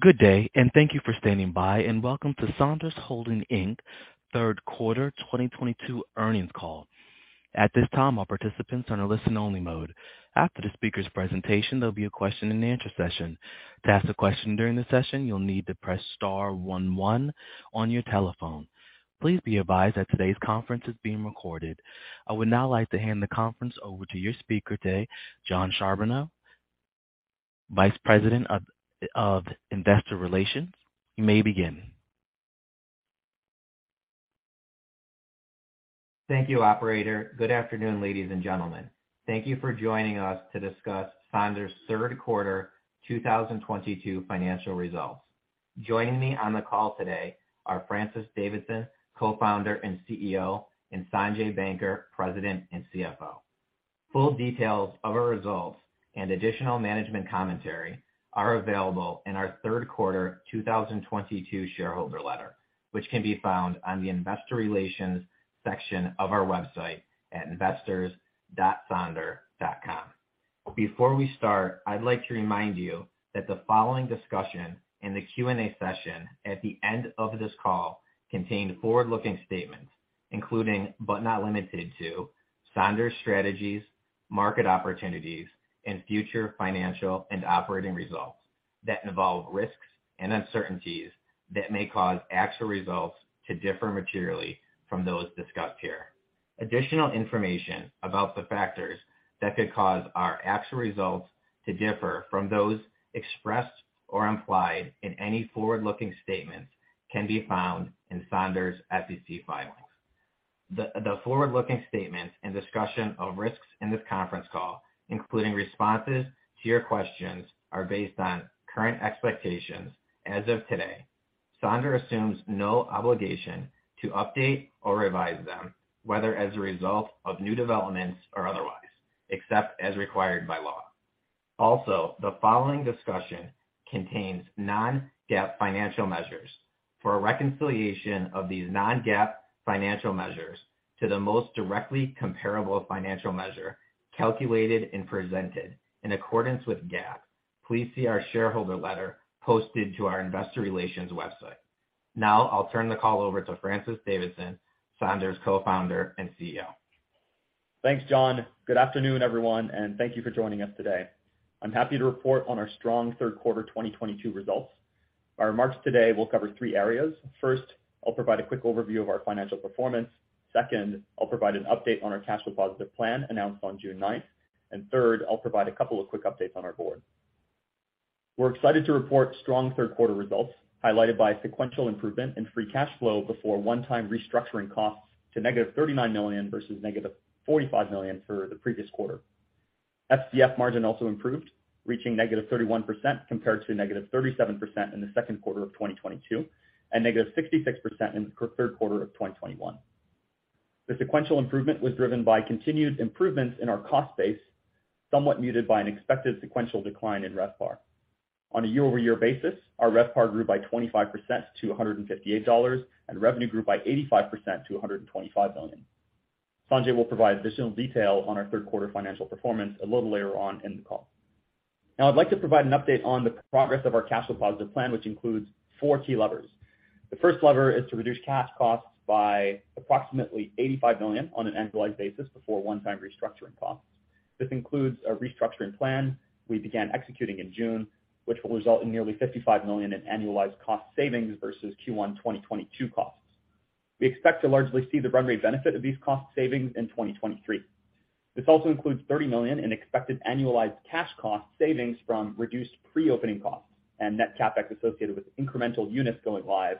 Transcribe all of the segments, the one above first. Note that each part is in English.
Good day, and thank you for standing by, and welcome to Sonder Holdings Inc. third quarter 2022 earnings call. At this time, all participants are in a listen-only mode. After the speaker's presentation, there'll be a question and answer session. To ask a question during the session, you'll need to press star one one on your telephone. Please be advised that today's conference is being recorded. I would now like to hand the conference over to your speaker today, Jon Charbonneau, Vice President of Investor Relations. You may begin. Thank you, operator. Good afternoon, ladies and gentlemen. Thank you for joining us to discuss Sonder's third quarter 2022 financial results. Joining me on the call today are Francis Davidson, Co-founder and CEO, and Sanjay Banker, President and CFO. Full details of our results and additional management commentary are available in our third quarter 2022 shareholder letter, which can be found on the investor relations section of our website at investors.sonder.com. Before we start, I'd like to remind you that the following discussion in the Q&A session at the end of this call contained forward-looking statements, including, but not limited to Sonder's strategies, market opportunities, and future financial and operating results that involve risks and uncertainties that may cause actual results to differ materially from those discussed here. Additional information about the factors that could cause our actual results to differ from those expressed or implied in any forward-looking statements can be found in Sonder's SEC filings. The forward-looking statements and discussion of risks in this conference call, including responses to your questions, are based on current expectations as of today. Sonder assumes no obligation to update or revise them, whether as a result of new developments or otherwise, except as required by law. Also, the following discussion contains Non-GAAP financial measures. For a reconciliation of these Non-GAAP financial measures to the most directly comparable financial measure calculated and presented in accordance with GAAP, please see our shareholder letter posted to our investor relations website. Now, I'll turn the call over to Francis Davidson, Sonder's Co-founder and CEO. Thanks, Jon. Good afternoon, everyone, and thank you for joining us today. I'm happy to report on our strong third quarter 2022 results. Our remarks today will cover three areas. First, I'll provide a quick overview of our financial performance. Second, I'll provide an update on our cash flow positive plan announced on June nine. Third, I'll provide a couple of quick updates on our board. We're excited to report strong third quarter results, highlighted by sequential improvement in free cash flow before one-time restructuring costs to -$39 million versus -$45 million for the previous quarter. FCF margin also improved, reaching -31% compared to -37% in the second quarter of 2022, and -66% in the third quarter of 2021. The sequential improvement was driven by continued improvements in our cost base, somewhat muted by an expected sequential decline in RevPAR. On a year-over-year basis, our RevPAR grew by 25% to $158, and revenue grew by 85% to $125 million. Sanjay will provide additional detail on our third quarter financial performance a little later on in the call. Now, I'd like to provide an update on the progress of our cash flow positive plan, which includes four key levers. The first lever is to reduce cash costs by approximately $85 million on an annualized basis before one-time restructuring costs. This includes a restructuring plan we began executing in June, which will result in nearly $55 million in annualized cost savings versus Q1 2022 costs. We expect to largely see the run rate benefit of these cost savings in 2023. This also includes $30 million in expected annualized cash cost savings from reduced pre-opening costs and net CapEx associated with incremental units going live,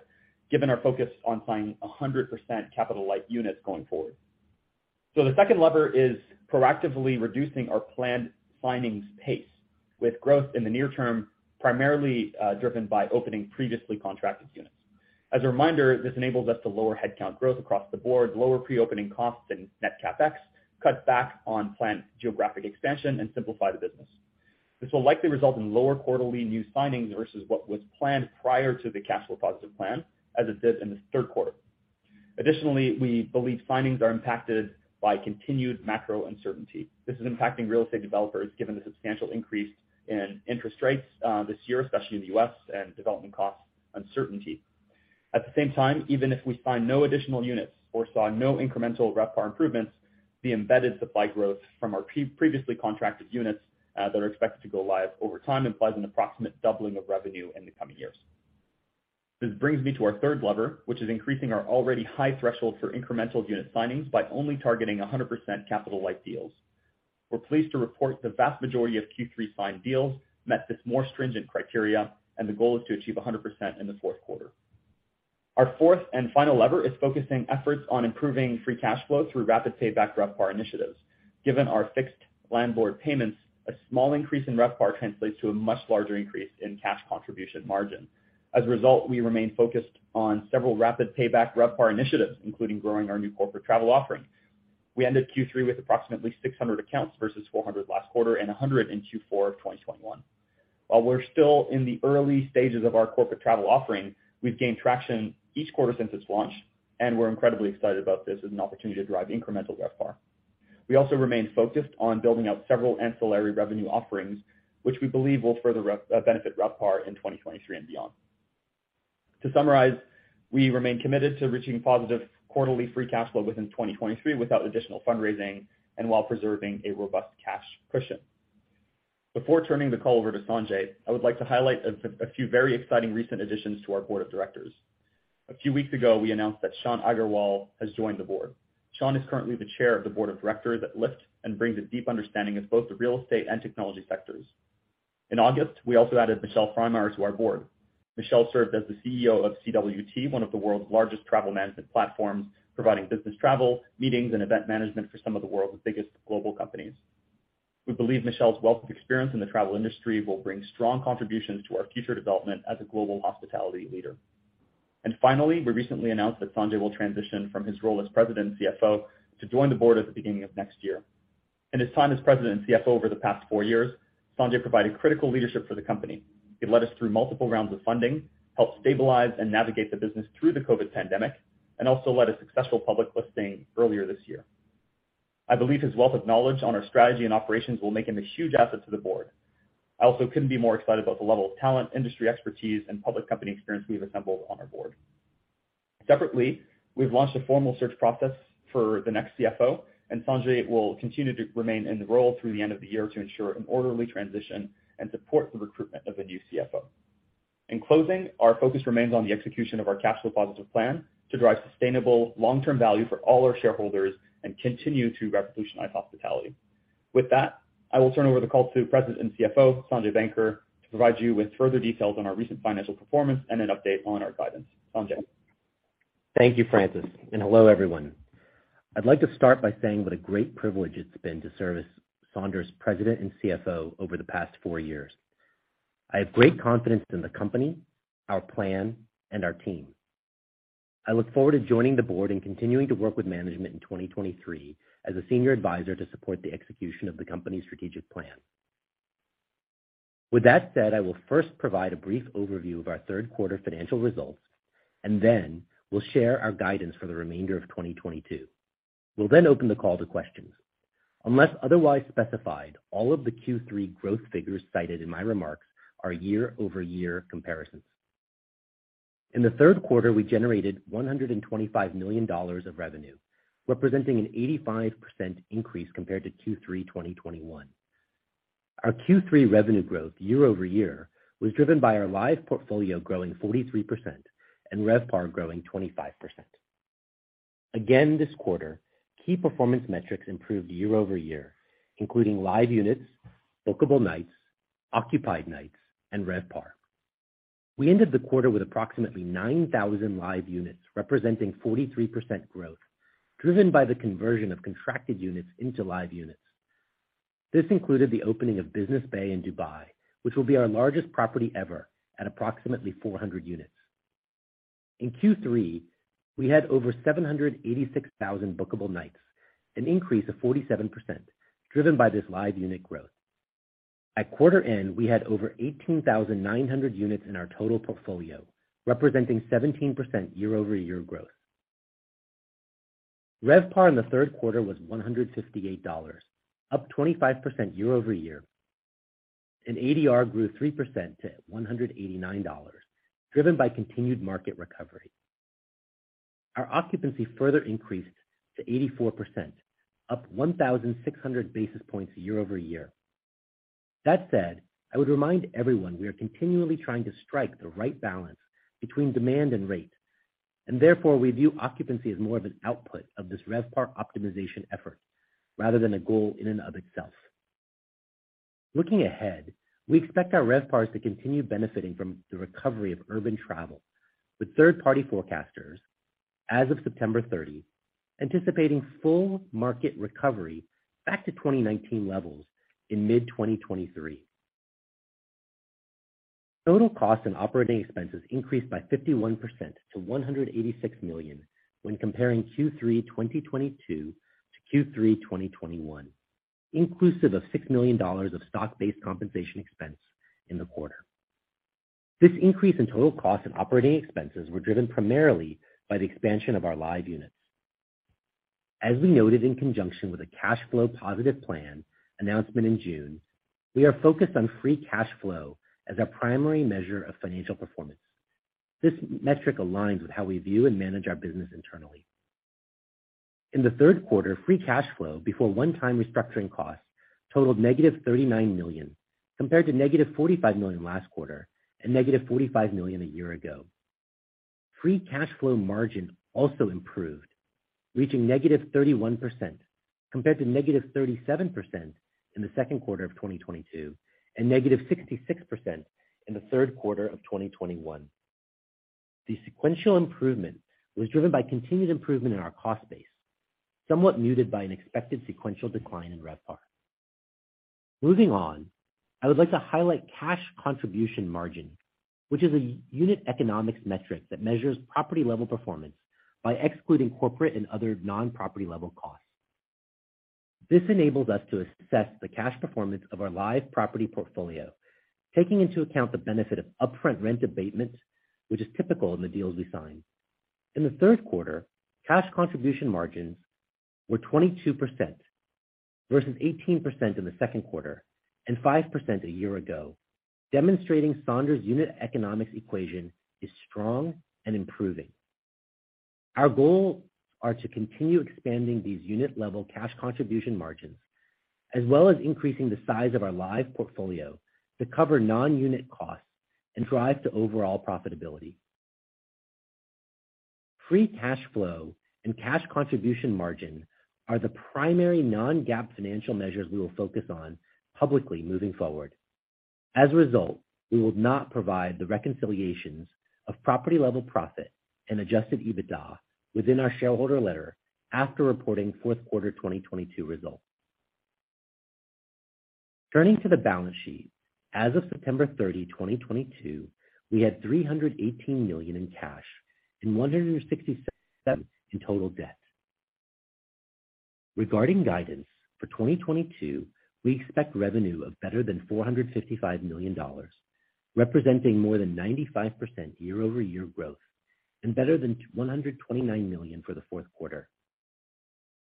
given our focus on finding 100% capital-light units going forward. The second lever is proactively reducing our planned signings pace with growth in the near term, primarily, driven by opening previously contracted units. As a reminder, this enables us to lower headcount growth across the board, lower pre-opening costs and net CapEx, cut back on planned geographic expansion, and simplify the business. This will likely result in lower quarterly new signings versus what was planned prior to the cash flow positive plan, as it did in the third quarter. Additionally, we believe signings are impacted by continued macro uncertainty. This is impacting real estate developers given the substantial increase in interest rates, this year, especially in the U.S., and development cost uncertainty. At the same time, even if we sign no additional units or saw no incremental RevPAR improvements, the embedded supply growth from our previously contracted units, that are expected to go live over time implies an approximate doubling of revenue in the coming years. This brings me to our third lever, which is increasing our already high threshold for incremental unit signings by only targeting 100% capital-light deals. We're pleased to report the vast majority of Q3 signed deals met this more stringent criteria, and the goal is to achieve 100% in the fourth quarter. Our fourth and final lever is focusing efforts on improving free cash flow through rapid payback RevPAR initiatives. Given our fixed landlord payments, a small increase in RevPAR translates to a much larger increase in Cash Contribution Margin. As a result, we remain focused on several rapid payback RevPAR initiatives, including growing our new corporate travel offering. We ended Q3 with approximately 600 accounts versus 400 last quarter and 100 in Q4 of 2021. While we're still in the early stages of our corporate travel offering, we've gained traction each quarter since its launch, and we're incredibly excited about this as an opportunity to drive incremental RevPAR. We also remain focused on building out several ancillary revenue offerings, which we believe will further benefit RevPAR in 2023 and beyond. To summarize, we remain committed to reaching positive quarterly Free Cash Flow within 2023 without additional fundraising and while preserving a robust cash cushion. Before turning the call over to Sanjay, I would like to highlight a few very exciting recent additions to our board of directors. A few weeks ago, we announced that Sean Aggarwal has joined the board. Sean is currently the chair of the board of directors at Lyft and brings a deep understanding of both the real estate and technology sectors. In August, we also added Michelle Frymire to our board. Michelle served as the CEO of CWT, one of the world's largest travel management platforms, providing business travel, meetings, and event management for some of the world's biggest global companies. We believe Michelle's wealth of experience in the travel industry will bring strong contributions to our future development as a global hospitality leader. Finally, we recently announced that Sanjay will transition from his role as president and CFO to join the board at the beginning of next year. In his time as president and CFO over the past four years, Sanjay provided critical leadership for the company. He led us through multiple rounds of funding, helped stabilize and navigate the business through the COVID pandemic, and also led a successful public listing earlier this year. I believe his wealth of knowledge on our strategy and operations will make him a huge asset to the board. I also couldn't be more excited about the level of talent, industry expertise, and public company experience we've assembled on our board. Separately, we've launched a formal search process for the next CFO, and Sanjay will continue to remain in the role through the end of the year to ensure an orderly transition and support the recruitment of a new CFO. In closing, our focus remains on the execution of our cash flow positive plan to drive sustainable long-term value for all our shareholders and continue to revolutionize hospitality. With that, I will turn over the call to President and CFO, Sanjay Banker, to provide you with further details on our recent financial performance and an update on our guidance. Sanjay? Thank you, Francis, and hello, everyone. I'd like to start by saying what a great privilege it's been to serve as Sonder's president and CFO over the past four years. I have great confidence in the company, our plan, and our team. I look forward to joining the board and continuing to work with management in 2023 as a senior advisor to support the execution of the company's strategic plan. With that said, I will first provide a brief overview of our third quarter financial results, and then we'll share our guidance for the remainder of 2022. We'll then open the call to questions. Unless otherwise specified, all of the Q3 growth figures cited in my remarks are year-over-year comparisons. In the third quarter, we generated $125 million of revenue, representing an 85% increase compared to Q3 2021. Our Q3 revenue growth year-over-year was driven by our live portfolio growing 43% and RevPAR growing 25%. This quarter, key performance metrics improved year-over-year, including live units, bookable nights, occupied nights, and RevPAR. We ended the quarter with approximately 9,000 live units, representing 43% growth, driven by the conversion of contracted units into live units. This included the opening of Business Bay in Dubai, which will be our largest property ever at approximately 400 units. In Q3, we had over 786,000 bookable nights, an increase of 47%, driven by this live unit growth. At quarter end, we had over 18,900 units in our total portfolio, representing 17% year-over-year growth. RevPAR in the third quarter was $158, up 25% year-over-year, and ADR grew 3% to $189, driven by continued market recovery. Our occupancy further increased to 84%, up 1,600 basis points year-over-year. That said, I would remind everyone we are continually trying to strike the right balance between demand and rate, and therefore, we view occupancy as more of an output of this RevPAR optimization effort rather than a goal in and of itself. Looking ahead, we expect our RevPARs to continue benefiting from the recovery of urban travel, with third-party forecasters, as of September 30, anticipating full market recovery back to 2019 levels in mid-2023. Total costs and operating expenses increased by 51% to $186 million when comparing Q3 2022 to Q3 2021, inclusive of $6 million of stock-based compensation expense in the quarter. This increase in total costs and operating expenses were driven primarily by the expansion of our live units. As we noted in conjunction with the cash flow positive plan announcement in June, we are focused on free cash flow as our primary measure of financial performance. This metric aligns with how we view and manage our business internally. In the third quarter, free cash flow before one-time restructuring costs totaled -$39 million, compared to -$45 million last quarter and -$45 million a year ago. Free cash flow margin also improved, reaching -31%, compared to -37% in the second quarter of 2022 and -66% in the third quarter of 2021. The sequential improvement was driven by continued improvement in our cost base, somewhat muted by an expected sequential decline in RevPAR. Moving on, I would like to highlight cash contribution margin, which is a unit economics metric that measures property-level performance by excluding corporate and other non-property level costs. This enables us to assess the cash performance of our live property portfolio, taking into account the benefit of upfront rent abatements, which is typical in the deals we sign. In the third quarter, cash contribution margins were 22% versus 18% in the second quarter and 5% a year ago, demonstrating Sonder's unit economics equation is strong and improving. Our goal are to continue expanding these unit-level cash contribution margins, as well as increasing the size of our live portfolio to cover non-unit costs and drive to overall profitability. Free Cash Flow and Cash Contribution Margin are the primary Non-GAAP financial measures we will focus on publicly moving forward. As a result, we will not provide the reconciliations of property-level profit and Adjusted EBITDA within our shareholder letter after reporting fourth quarter 2022 results. Turning to the balance sheet. As of September 30, 2022, we had $318 million in cash and $167 million in total debt. Regarding guidance, for 2022, we expect revenue of better than $455 million, representing more than 95% year-over-year growth and better than $129 million for the fourth quarter.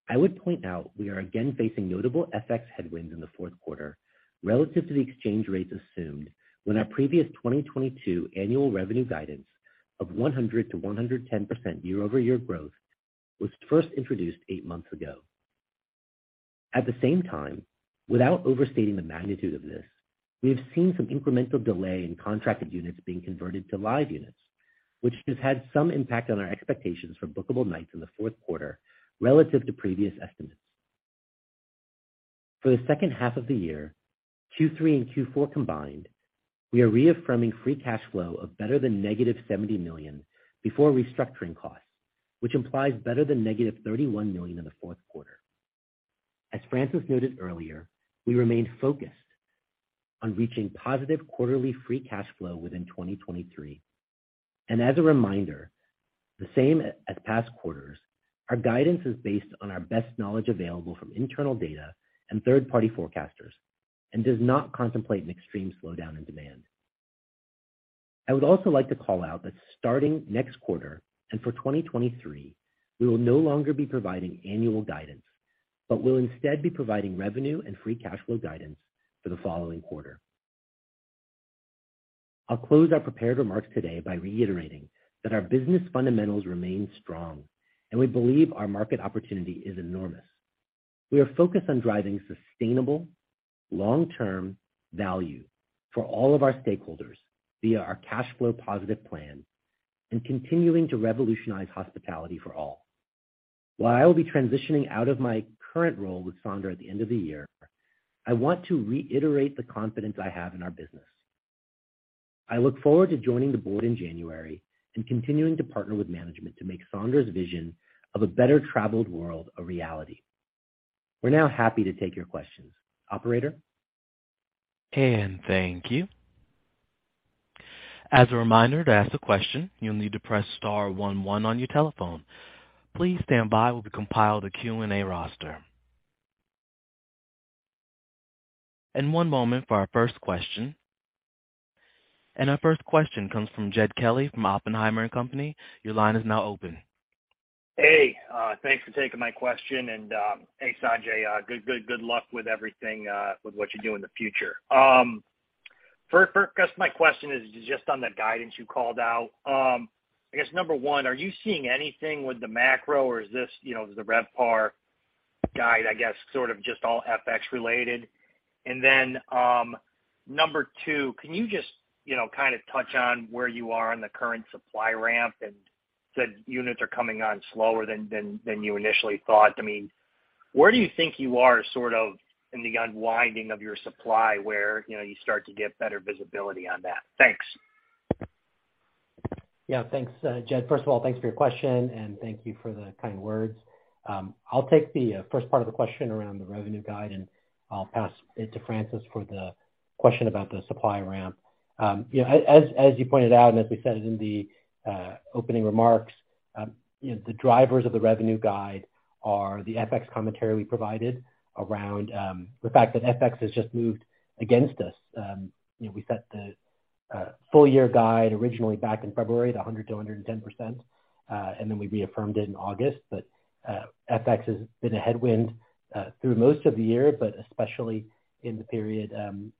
I would point out we are again facing notable FX headwinds in the fourth quarter relative to the exchange rates assumed when our previous 2022 annual revenue guidance of 100%-110% year-over-year growth was first introduced eight months ago. At the same time, without overstating the magnitude of this, we have seen some incremental delay in contracted units being converted to live units, which has had some impact on our expectations for bookable nights in the fourth quarter relative to previous estimates. For the second half of the year, Q3 and Q4 combined, we are reaffirming free cash flow of better than -$70 million before restructuring costs, which implies better than -$31 million in the fourth quarter. As Francis noted earlier, we remain focused on reaching positive quarterly free cash flow within 2023. As a reminder, the same as past quarters, our guidance is based on our best knowledge available from internal data and third-party forecasters and does not contemplate an extreme slowdown in demand. I would also like to call out that starting next quarter and for 2023, we will no longer be providing annual guidance, but will instead be providing revenue and Free Cash Flow guidance for the following quarter. I'll close our prepared remarks today by reiterating that our business fundamentals remain strong, and we believe our market opportunity is enormous. We are focused on driving sustainable long-term value for all of our stakeholders via our cash flow positive plan and continuing to revolutionize hospitality for all. While I will be transitioning out of my current role with Sonder at the end of the year, I want to reiterate the confidence I have in our business. I look forward to joining the board in January and continuing to partner with management to make Sonder's vision of a better traveled world a reality. We're now happy to take your questions. Operator. Thank you. As a reminder, to ask a question, you'll need to press star one one on your telephone. Please stand by while we compile the Q&A roster. One moment for our first question. Our first question comes from Jed Kelly from Oppenheimer & Co. Inc. Your line is now open. Hey, thanks for taking my question. Hey, Sanjay, good luck with everything with what you do in the future. First, I guess my question is just on the guidance you called out. I guess number one, are you seeing anything with the macro or is this, you know, the RevPAR guide, I guess, sort of just all FX related? Then, number two, can you just, you know, kind of touch on where you are on the current supply ramp and the units are coming on slower than you initially thought? I mean, where do you think you are sort of in the unwinding of your supply where, you know, you start to get better visibility on that? Thanks. Yeah. Thanks, Jed. First of all, thanks for your question, and thank you for the kind words. I'll take the first part of the question around the revenue guide, and I'll pass it to Francis for the question about the supply ramp. You know, as you pointed out and as we said in the opening remarks, you know, the drivers of the revenue guide are the FX commentary we provided around the fact that FX has just moved against us. You know, we set the full year guide originally back in February to 100%-110%, and then we reaffirmed it in August. FX has been a headwind through most of the year, but especially in the period in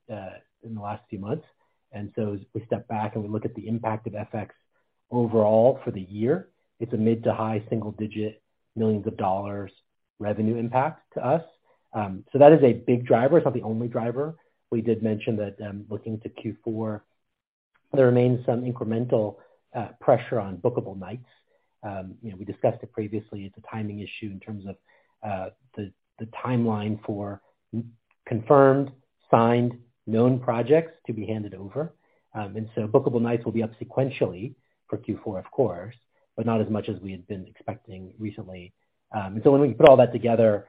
the last few months. As we step back and we look at the impact of FX overall for the year, it's a mid- to high-single-digit million revenue impact to us. That is a big driver. It's not the only driver. We did mention that, looking to Q4, there remains some incremental pressure on Bookable Nights. You know, we discussed it previously. It's a timing issue in terms of the timeline for confirmed, signed, known projects to be handed over. Bookable Nights will be up sequentially for Q4, of course, but not as much as we had been expecting recently. When we put all that together,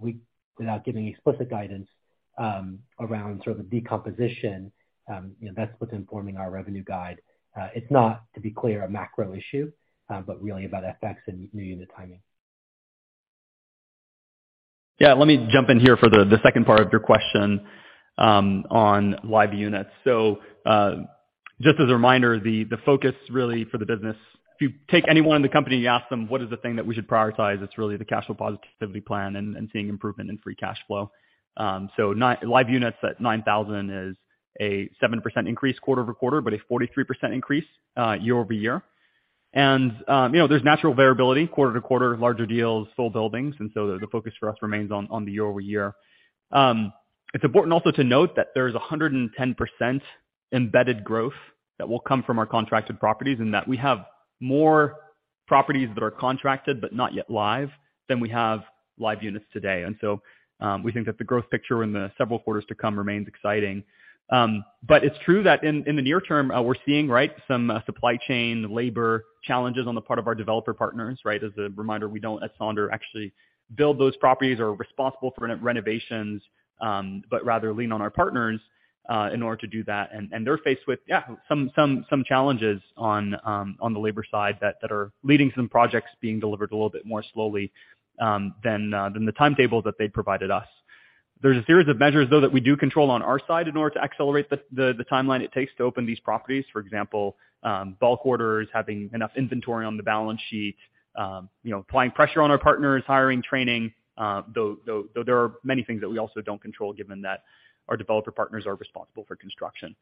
we, without giving explicit guidance around sort of the decomposition, you know, that's what's informing our revenue guide. It's not, to be clear, a macro issue, but really about FX and new unit timing. Yeah, let me jump in here for the second part of your question on live units. Just as a reminder, the focus really for the business, if you take anyone in the company and you ask them what is the thing that we should prioritize, it's really the cash flow positivity plan and seeing improvement in free cash flow. Live units at 9,000 is a 7% increase quarter-over-quarter, but a 43% increase year-over-year. You know, there's natural variability quarter-to-quarter, larger deals, whole buildings, and so the focus for us remains on the year-over-year. It's important also to note that there's 110% embedded growth that will come from our contracted properties, and that we have more properties that are contracted but not yet live than we have live units today. We think that the growth picture in the several quarters to come remains exciting. But it's true that in the near term, we're seeing some supply chain labor challenges on the part of our developer partners, right? As a reminder, we don't, at Sonder, actually build those properties or are responsible for renovations, but rather lean on our partners in order to do that. They're faced with, yeah, some challenges on the labor side that are leading some projects being delivered a little bit more slowly than the timetable that they'd provided us. There's a series of measures, though, that we do control on our side in order to accelerate the timeline it takes to open these properties. For example, bulk orders, having enough inventory on the balance sheet, you know, applying pressure on our partners, hiring, training, though there are many things that we also don't control given that our developer partners are responsible for construction.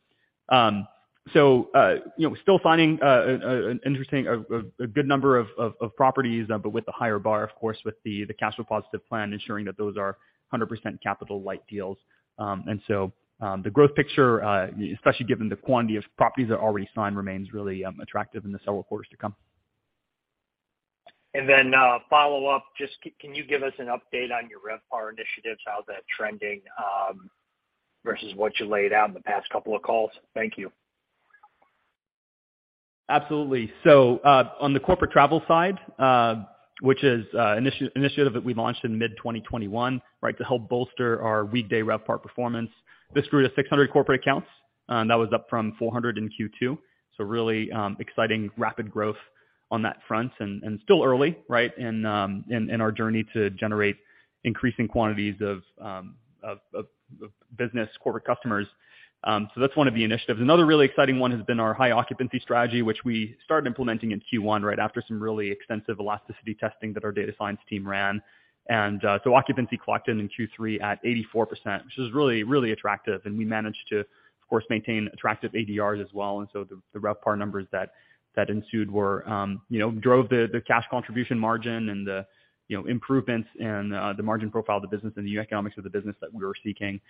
You know, still finding an interesting, a good number of properties, but with the higher bar, of course, with the cash flow positive plan, ensuring that those are 100% capital-light deals. The growth picture, especially given the quantity of properties that are already signed, remains really attractive in the several quarters to come. Follow up, just can you give us an update on your RevPAR initiatives? How's that trending, versus what you laid out in the past couple of calls? Thank you. Absolutely. On the corporate travel side, which is initiative that we launched in mid-2021, right, to help bolster our weekday RevPAR performance. This grew to 600 corporate accounts, and that was up from 400 in Q2. Really, exciting rapid growth on that front and still early, right, in our journey to generate increasing quantities of business corporate customers. That's one of the initiatives. Another really exciting one has been our high occupancy strategy, which we started implementing in Q1, right, after some really extensive elasticity testing that our data science team ran. Occupancy clocked in Q3 at 84%, which is really, really attractive. We managed to, of course, maintain attractive ADRs as well, and so the RevPAR numbers that ensued were, you know, drove the Cash Contribution Margin and the, you know, improvements in the margin profile of the business and the economics of the business that we were seeking.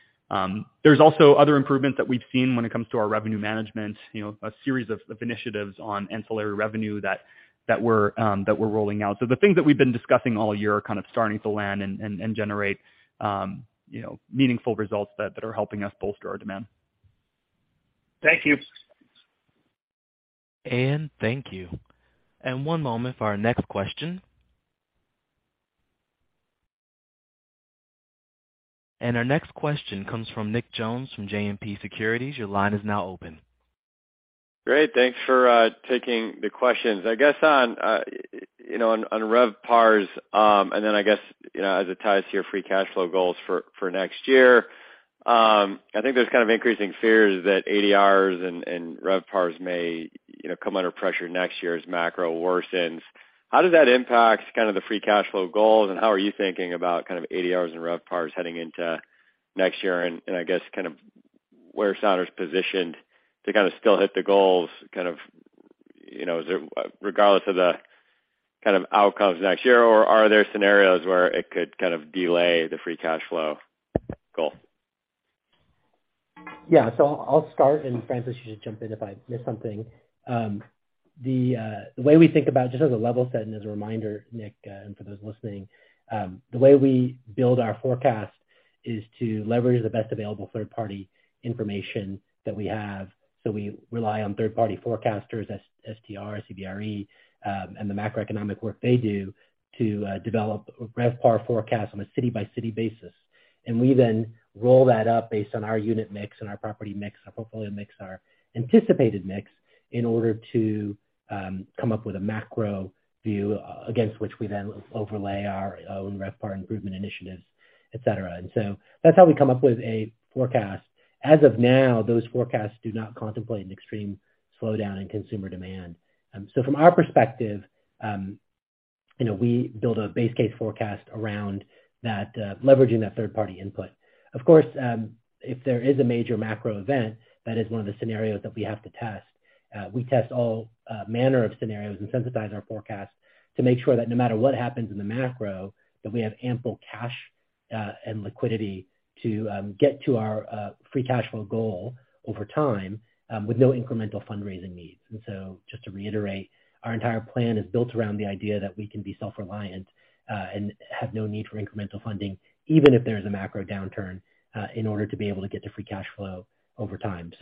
There's also other improvements that we've seen when it comes to our revenue management, you know, a series of initiatives on ancillary revenue that we're rolling out. The things that we've been discussing all year are kind of starting to land and generate, you know, meaningful results that are helping us bolster our demand. Thank you. Thank you. One moment for our next question. Our next question comes from Nicholas Jones from JMP Securities. Your line is now open. Great. Thanks for taking the questions. I guess on you know on RevPARs, and then I guess you know as it ties to your Free Cash Flow goals for next year, I think there's kind of increasing fears that ADRs and RevPARs may come under pressure next year as macro worsens. How does that impact kind of the Free Cash Flow goals, and how are you thinking about kind of ADRs and RevPARs heading into next year? I guess kind of where Sonder is positioned to kind of still hit the goals, kind of you know is it regardless of the kind of outcomes next year, or are there scenarios where it could kind of delay the Free Cash Flow goal? Yeah. I'll start, and Francis, you should jump in if I miss something. The way we think about just as a level set and as a reminder, Nick, and for those listening, the way we build our forecast is to leverage the best available third-party information that we have. We rely on third-party forecasters, STR, CBRE, and the macroeconomic work they do to develop RevPAR forecast on a city-by-city basis. We then roll that up based on our unit mix and our property mix, our portfolio mix, our anticipated mix, in order to come up with a macro view against which we then overlay our own RevPAR improvement initiatives, et cetera. That's how we come up with a forecast. As of now, those forecasts do not contemplate an extreme slowdown in consumer demand. From our perspective, you know, we build a base case forecast around that, leveraging that third party input. Of course, if there is a major macro event, that is one of the scenarios that we have to test. We test all manner of scenarios and synthesize our forecast to make sure that no matter what happens in the macro, that we have ample cash and liquidity to get to our Free Cash Flow goal over time with no incremental fundraising needs. Just to reiterate, our entire plan is built around the idea that we can be self-reliant and have no need for incremental funding, even if there is a macro downturn in order to be able to get to Free Cash Flow over time.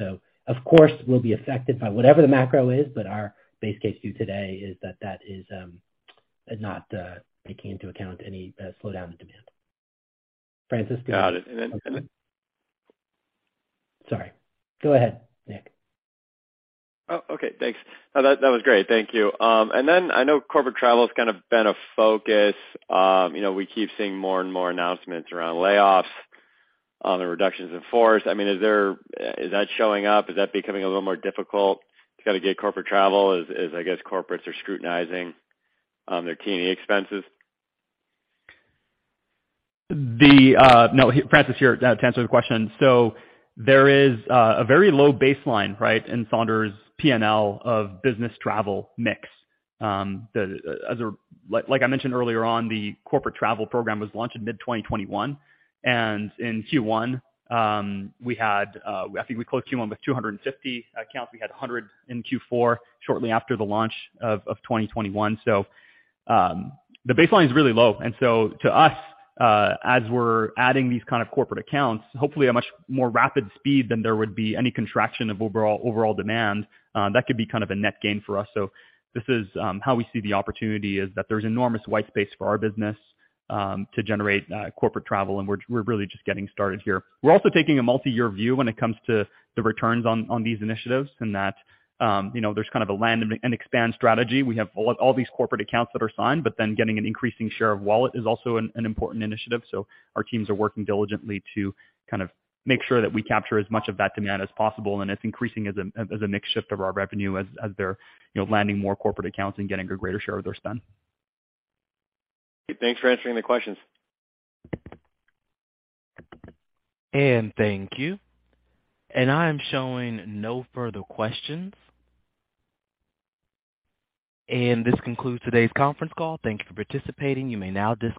Of course, we'll be affected by whatever the macro is, but our base case view today is that is not taking into account any slowdown in demand. Francis- Got it. Sorry. Go ahead, Nick. Oh, okay. Thanks. No, that was great. Thank you. I know corporate travel has kind of been a focus. You know, we keep seeing more and more announcements around layoffs, the reductions in force. I mean, is that showing up? Is that becoming a little more difficult to get corporate travel as I guess corporates are scrutinizing their T&E expenses? No. Francis here to answer the question. There is a very low baseline, right, in Sonder's P&L of business travel mix. Like I mentioned earlier on, the corporate travel program was launched in mid-2021. In Q1, I think we closed Q1 with 250 accounts. We had 100 in Q4 shortly after the launch of 2021. The baseline is really low. To us, as we're adding these kind of corporate accounts, hopefully a much more rapid speed than there would be any contraction of overall demand, that could be kind of a net gain for us. This is how we see the opportunity, is that there's enormous white space for our business to generate corporate travel, and we're really just getting started here. We're also taking a multi-year view when it comes to the returns on these initiatives and that you know, there's kind of a land and expand strategy. We have all these corporate accounts that are signed, but then getting an increasing share of wallet is also an important initiative. Our teams are working diligently to kind of make sure that we capture as much of that demand as possible, and it's increasing as a mix shift of our revenue as they're you know, landing more corporate accounts and getting a greater share of their spend. Thanks for answering the questions. Thank you. I'm showing no further questions. This concludes today's conference call. Thank you for participating. You may now dis-